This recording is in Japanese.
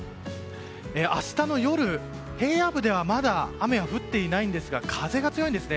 明日の夜、平野部ではまだ雨は降っていないんですが風が強いんですね。